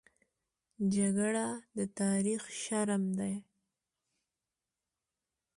جګړه د تاریخ شرم ده